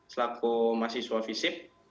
selaku mahasiswa fisip